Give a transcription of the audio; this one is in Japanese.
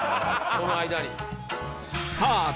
その間に。